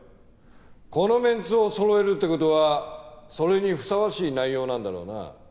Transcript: このメンツをそろえるって事はそれにふさわしい内容なんだろうな？